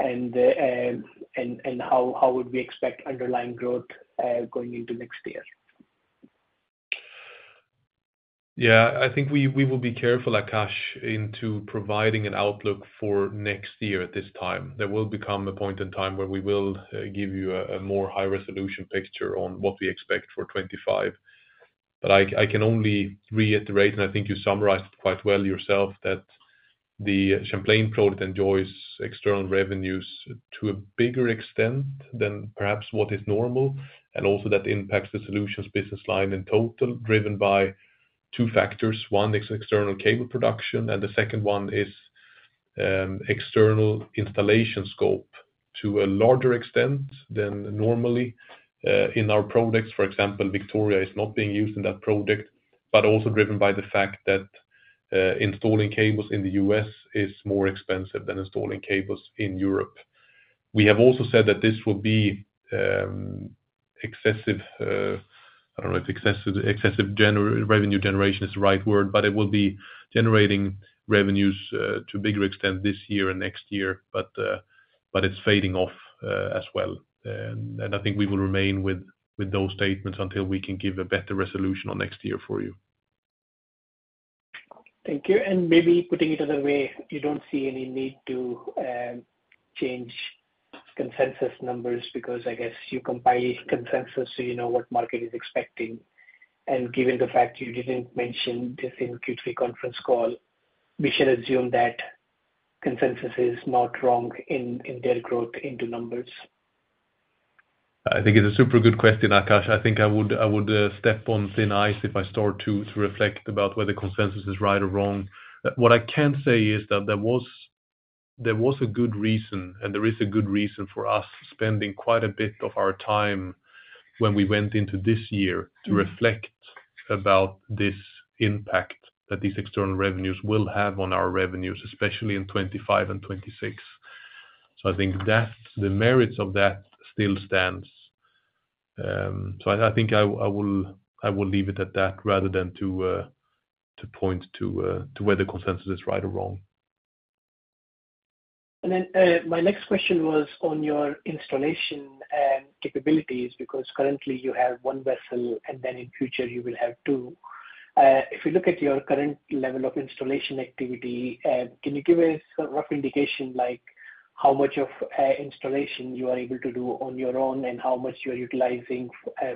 and how would we expect underlying growth going into next year? Yeah. I think we will be careful, Akash, in providing an outlook for next year at this time. There will come a point in time where we will give you a more high-resolution picture on what we expect for 2025. But I can only reiterate, and I think you summarized it quite well yourself, that the Champlain project enjoys external revenues to a bigger extent than perhaps what is normal, and also that impacts the solutions business line in total driven by two factors. One, external cable production, and the second one is external installation scope to a larger extent than normally in our projects. For example, Victoria is not being used in that project, but also driven by the fact that installing cables in the U.S. is more expensive than installing cables in Europe. We have also said that this will be excessive. I don't know if excessive revenue generation is the right word, but it will be generating revenues to a bigger extent this year and next year, but it's fading off as well, and I think we will remain with those statements until we can give a better resolution on next year for you. Thank you, and maybe putting it another way, you don't see any need to change consensus numbers because I guess you compile consensus so you know what market is expecting, and given the fact you didn't mention this in Q3 conference call, we should assume that consensus is not wrong in their growth into numbers. I think it's a super good question, Akash. I think I would step on thin ice if I start to reflect about whether consensus is right or wrong. What I can say is that there was a good reason, and there is a good reason for us spending quite a bit of our time when we went into this year to reflect about this impact that these external revenues will have on our revenues, especially in 2025 and 2026. So I think the merits of that still stands. So I think I will leave it at that rather than to point to whether consensus is right or wrong. And then my next question was on your installation capabilities because currently you have one vessel and then in future you will have two. If you look at your current level of installation activity, can you give a rough indication like how much of installation you are able to do on your own and how much you are utilizing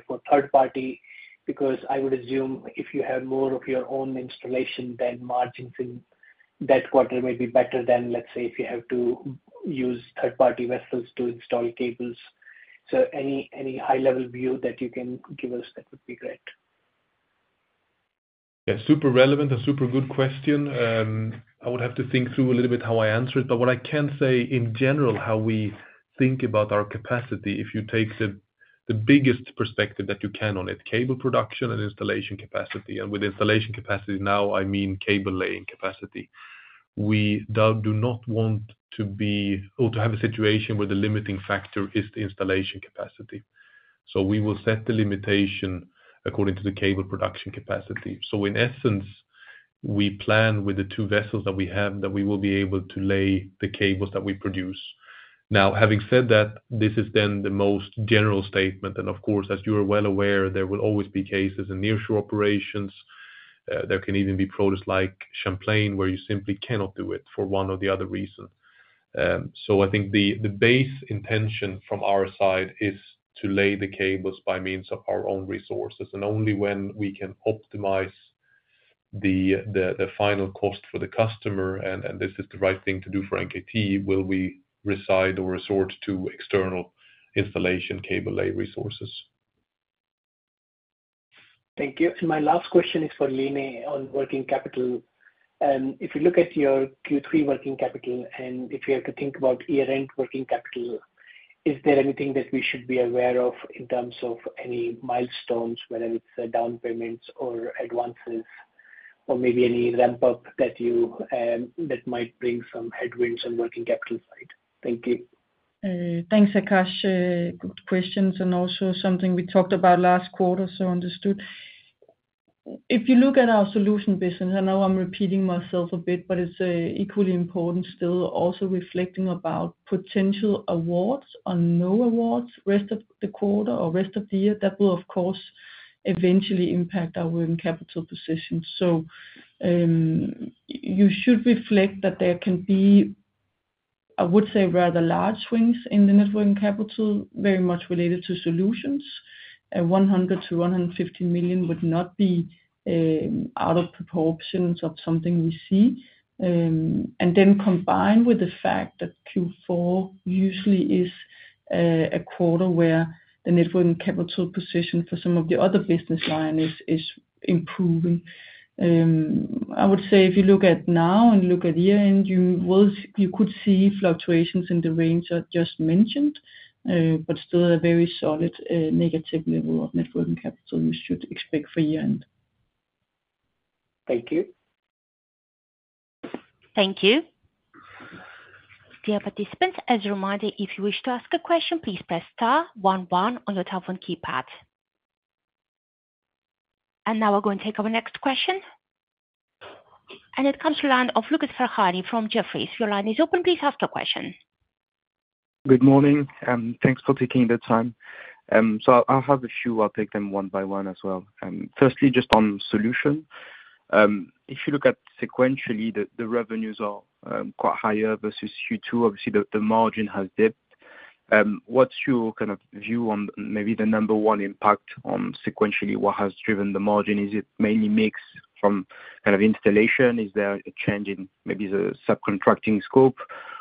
for third party? Because I would assume if you have more of your own installation, then margins in that quarter may be better than, let's say, if you have to use third-party vessels to install cables. So any high-level view that you can give us, that would be great. Yeah. Super relevant and super good question. I would have to think through a little bit how I answer it. But what I can say in general, how we think about our capacity, if you take the biggest perspective that you can on it, cable production and installation capacity, and with installation capacity now, I mean cable laying capacity. We do not want to have a situation where the limiting factor is the installation capacity. So we will set the limitation according to the cable production capacity. So in essence, we plan with the two vessels that we have that we will be able to lay the cables that we produce. Now, having said that, this is then the most general statement. And of course, as you are well aware, there will always be cases in nearshore operations. There can even be products like Champlain where you simply cannot do it for one or the other reason. So I think the base intention from our side is to lay the cables by means of our own resources. And only when we can optimize the final cost for the customer, and this is the right thing to do for NKT, will we resort to external installation cable lay resources. Thank you. And my last question is for Line on working capital. If you look at your Q3 working capital and if you have to think about year-end working capital, is there anything that we should be aware of in terms of any milestones whether it's down payments or advances or maybe any ramp-up that might bring some headwinds on working capital side? Thank you. Thanks, Akash. Good questions. And also something we talked about last quarter, so understood. If you look at our solution business, I know I'm repeating myself a bit, but it's equally important still, also reflecting about potential awards or no awards rest of the quarter or rest of the year, that will, of course, eventually impact our working capital position. So you should reflect that there can be, I would say, rather large swings in the net working capital, very much related to solutions. 150 million would not be out of proportions of something we see. And then combined with the fact that Q4 usually is a quarter where the net working capital position for some of the other business lines is improving. I would say if you look at now and look at year-end, you could see fluctuations in the range I just mentioned, but still a very solid negative level of net working capital you should expect for year-end. Thank you. Thank you. Dear participants, as a reminder, if you wish to ask a question, please press star 11 on your telephone keypad. And now we're going to take our next question. And it comes to the line of Lucas Ferhani from Jefferies. Your line is open. Please ask a question. Good morning. Thanks for taking the time. So I'll have a few. I'll take them one by one as well. First, just on Solutions. If you look at sequentially, the revenues are quite higher versus Q2. Obviously, the margin has dipped. What's your kind of view on maybe the number one impact on sequentially? What has driven the margin? Is it mainly mix from kind of installation? Is there a change in maybe the subcontracting scope?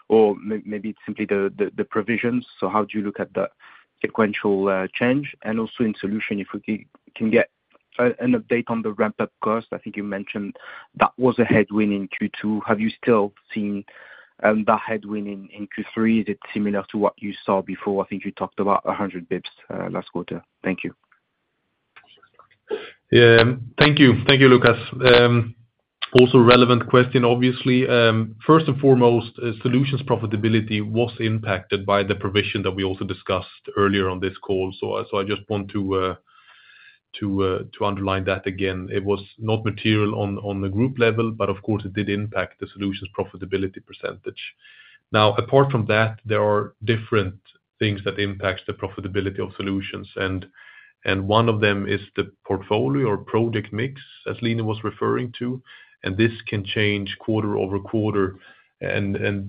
Or maybe it's simply the provisions? So how do you look at the sequential change? Also in Solutions, if we can get an update on the ramp-up cost, I think you mentioned that was a headwind in Q2. Have you still seen that headwind in Q3? Is it similar to what you saw before? I think you talked about 100 basis points last quarter. Thank you. Yeah. Thank you. Thank you, Lucas. Also relevant question, obviously. First and foremost, Solutions profitability was impacted by the provision that we also discussed earlier on this call. So I just want to underline that again. It was not material on the group level, but of course, it did impact the Solutions profitability percentage. Now, apart from that, there are different things that impact the profitability of Solutions. And one of them is the portfolio or project mix, as Line was referring to. And this can change quarter-over-quarter.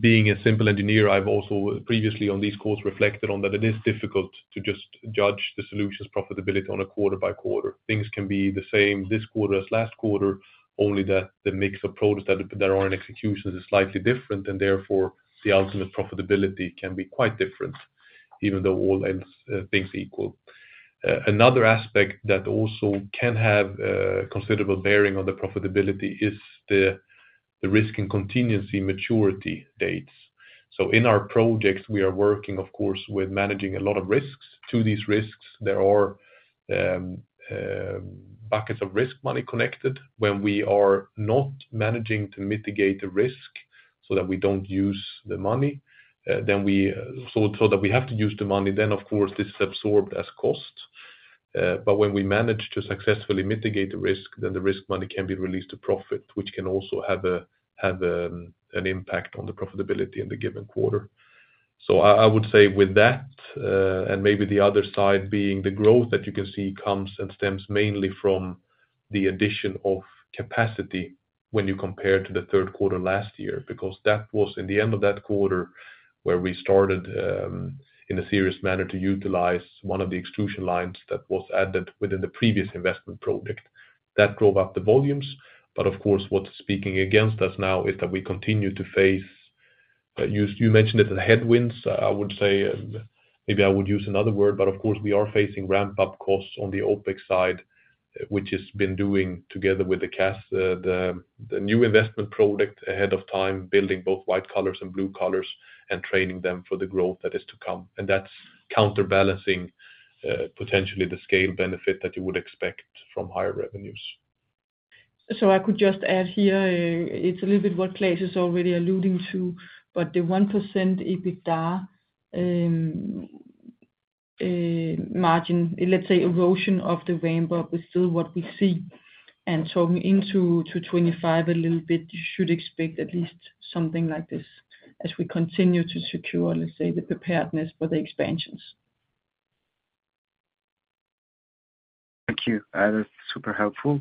Being a simple engineer, I've also previously on these calls reflected on that it is difficult to just judge the Solutions profitability on a quarter-by-quarter. Things can be the same this quarter as last quarter, only that the mix of products that are in execution is slightly different, and therefore the ultimate profitability can be quite different, even though all else things equal. Another aspect that also can have considerable bearing on the profitability is the risk and contingency maturity dates. In our projects, we are working, of course, with managing a lot of risks. To these risks, there are buckets of risk money connected. When we are not managing to mitigate the risk so that we don't use the money, then we have to use the money, then, of course, this is absorbed as cost. But when we manage to successfully mitigate the risk, then the risk money can be released to profit, which can also have an impact on the profitability in the given quarter. So I would say with that, and maybe the other side being the growth that you can see comes and stems mainly from the addition of capacity when you compare to the third quarter last year, because that was in the end of that quarter where we started in a serious manner to utilize one of the extrusion lines that was added within the previous investment project. That drove up the volumes. But of course, what's speaking against us now is that we continue to face. You mentioned it as headwinds. I would say maybe I would use another word, but of course, we are facing ramp-up costs on the OpEx side, which has been doing together with the new investment project ahead of time, building both white-collar and blue-collar and training them for the growth that is to come. That's counterbalancing potentially the scale benefit that you would expect from higher revenues. I could just add here. It's a little bit what Claes is already alluding to, but the 1% EBITDA margin, let's say erosion of the ramp-up is still what we see. Talking into 2025 a little bit, you should expect at least something like this as we continue to secure, let's say, the preparedness for the expansions. Thank you. That's super helpful.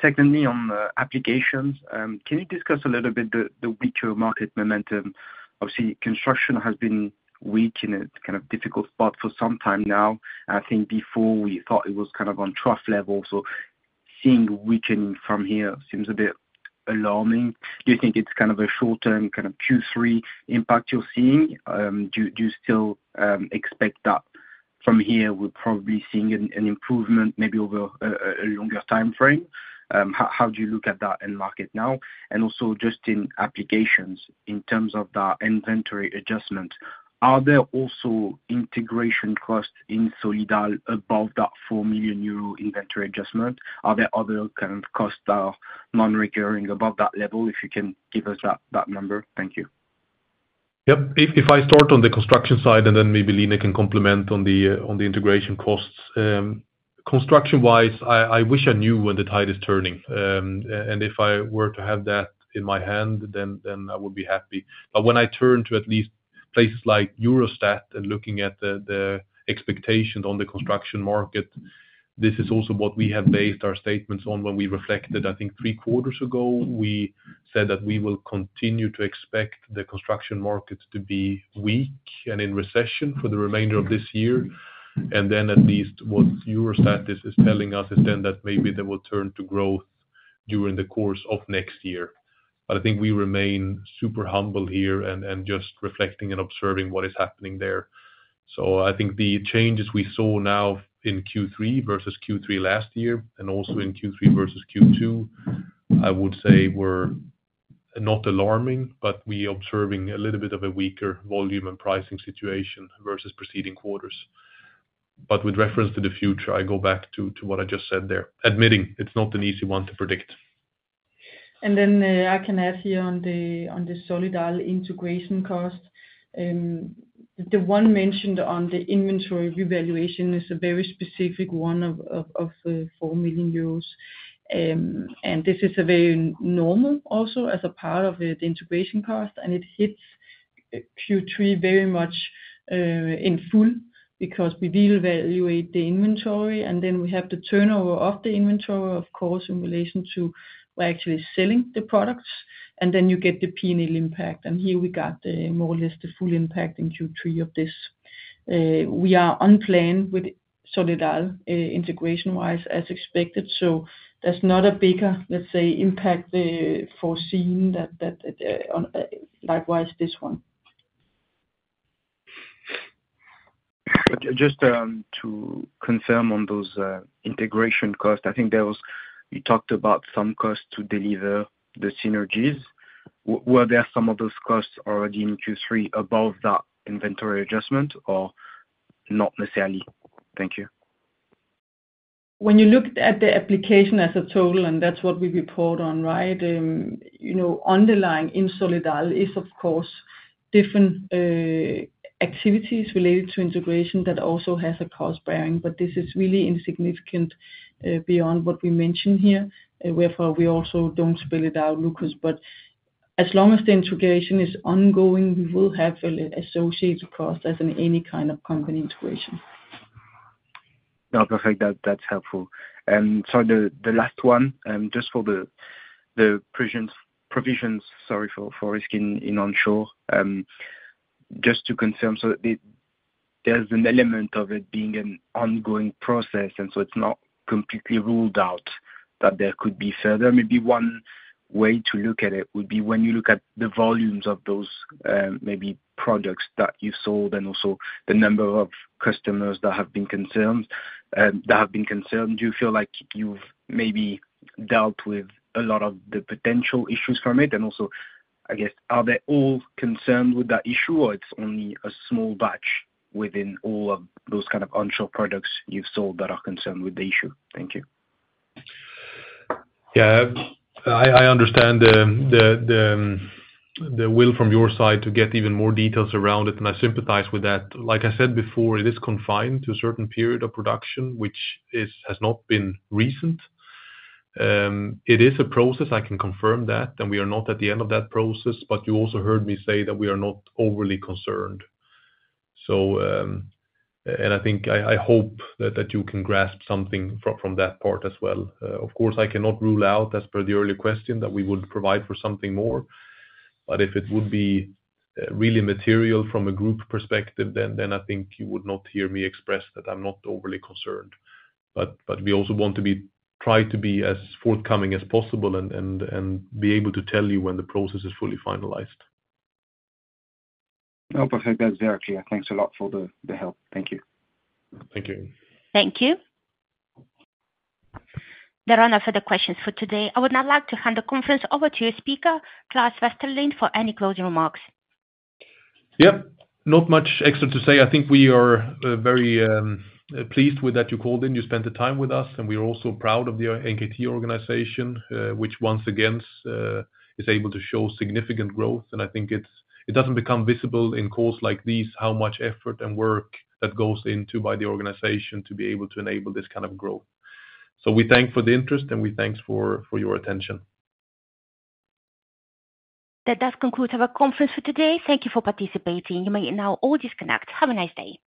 Secondly, on applications, can you discuss a little bit the weaker market momentum? Obviously, construction has been weak in a kind of difficult spot for some time now. I think before we thought it was kind of on trough level. So seeing weakening from here seems a bit alarming. Do you think it's kind of a short-term kind of Q3 impact you're seeing? Do you still expect that from here we're probably seeing an improvement maybe over a longer time frame? How do you look at that in market now? And also just in applications, in terms of that inventory adjustment, are there also integration costs in SolidAl above that 4 million euro inventory adjustment? Are there other kind of costs that are non-recurring above that level? If you can give us that number, thank you. Yep. If I start on the construction side and then maybe Line can complement on the integration costs. Construction-wise, I wish I knew when the tide is turning. If I were to have that in my hand, then I would be happy. When I turn to at least places like Eurostat and looking at the expectations on the construction market, this is also what we have based our statements on when we reflected. I think three quarters ago, we said that we will continue to expect the construction market to be weak and in recession for the remainder of this year. At least what Eurostat is telling us is then that maybe there will turn to growth during the course of next year. I think we remain super humble here and just reflecting and observing what is happening there. So I think the changes we saw now in Q3 versus Q3 last year and also in Q3 versus Q2, I would say were not alarming, but we are observing a little bit of a weaker volume and pricing situation versus preceding quarters. But with reference to the future, I go back to what I just said there, admitting it's not an easy one to predict. And then I can add here on the SolidAl integration cost. The one mentioned on the inventory revaluation is a very specific one of EUR 4 million. And this is very normal also as a part of the integration cost. And it hits Q3 very much in full because we revaluate the inventory. And then we have the turnover of the inventory, of course, in relation to we're actually selling the products. And then you get the P&L impact. And here we got more or less the full impact in Q3 of this. We are on plan with SolidAl integration-wise as expected. So there's not a bigger, let's say, impact foreseen likewise this one. Just to confirm on those integration costs, I think you talked about some costs to deliver the synergies. Were there some of those costs already in Q3 above that inventory adjustment or not necessarily? Thank you. When you looked at the application as a total, and that's what we report on, right? Underlying in SolidAl is, of course, different activities related to integration that also has a cost bearing. But this is really insignificant beyond what we mentioned here. Therefore, we also don't spell it out, Lucas. But as long as the integration is ongoing, we will have an associated cost as in any kind of company integration. No, perfect. That's helpful. And so the last one, just for the provisions, sorry, for risk in onshore, just to confirm, so there's an element of it being an ongoing process. And so it's not completely ruled out that there could be further. Maybe one way to look at it would be when you look at the volumes of those maybe products that you sold and also the number of customers that have been concerned. Do you feel like you've maybe dealt with a lot of the potential issues from it? And also, I guess, are they all concerned with that issue or it's only a small batch within all of those kind of onshore products you've sold that are concerned with the issue? Thank you. Yeah. I understand the will from your side to get even more details around it. And I sympathize with that. Like I said before, it is confined to a certain period of production, which has not been recent. It is a process. I can confirm that. And we are not at the end of that process. But you also heard me say that we are not overly concerned. And I hope that you can grasp something from that part as well. Of course, I cannot rule out, as per the earlier question, that we would provide for something more. But if it would be really material from a group perspective, then I think you would not hear me express that I'm not overly concerned. But we also want to try to be as forthcoming as possible and be able to tell you when the process is fully finalized. No, perfect. That's very clear. Thanks a lot for the help. Thank you. Thank you. Thank you. There are no further questions for today. I would now like to hand the conference over to your speaker, Claes Westerlind, for any closing remarks. Yep. Not much extra to say. I think we are very pleased with that you called in. You spent the time with us, and we are also proud of the NKT organization, which once again is able to show significant growth. I think it doesn't become visible in calls like these how much effort and work that goes into by the organization to be able to enable this kind of growth. So we thank for the interest and we thank for your attention. That does conclude our conference for today. Thank you for participating. You may now all disconnect. Have a nice day.